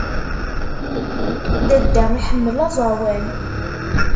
Dadda iḥemmel aẓawan.